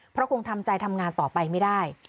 เพราะคงทำใจทำงานต่อไปไม่ได้